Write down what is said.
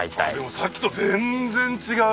さっきと全然違う。